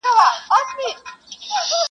د زړه کور کي مي جانان په کاڼو ولي,